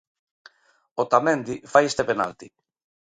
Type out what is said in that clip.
Otamendi fai este penalti.